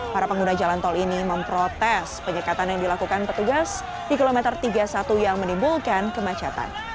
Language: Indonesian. para pengguna jalan tol ini memprotes penyekatan yang dilakukan petugas di kilometer tiga puluh satu yang menimbulkan kemacetan